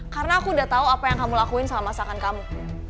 karena aku udah tau apa kamu lakukan sama masakan kamu